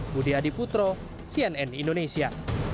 budi adiputro cnn indonesia